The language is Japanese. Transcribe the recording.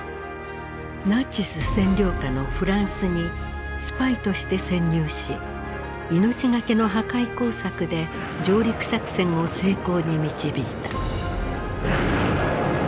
ナチス占領下のフランスにスパイとして潜入し命懸けの破壊工作で上陸作戦を成功に導いた。